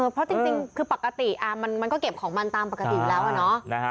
เพราะจริงคือปกติมันก็เก็บของมันตามปกติอยู่แล้วอะเนาะ